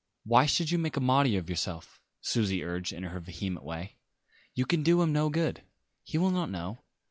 "Why should you make a martyr of yourself?" Susie urged in her vehement way. "You can do him no good. He will not know.